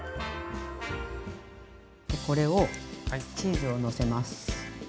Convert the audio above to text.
でこれをチーズをのせます。